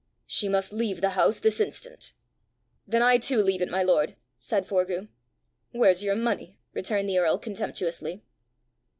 "She must leave the house this instant!" "Then I too leave it, my lord!" said Forgue. "Where's your money?" returned the earl contemptuously.